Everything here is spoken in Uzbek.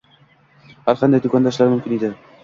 har qanday doʻkonda ishlashlari mumkin edi.